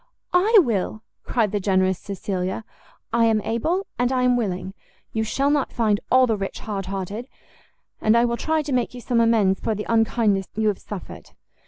"I will!" cried the generous Cecilia; "I am able, and I am willing; you shall not find all the rich hardhearted, and I will try to make you some amends for the unkindness you have suffered."